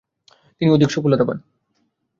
তিনি অধিক সফলতা পান।